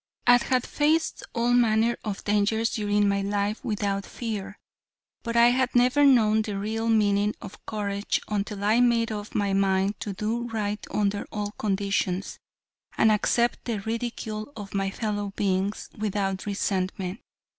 I had faced all manner of dangers during my life without fear, but I had never known the real meaning of courage until I made up my mind to do right under all conditions, and accept the ridicule of my fellow beings without resentment.